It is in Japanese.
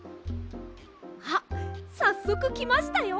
あっさっそくきましたよ！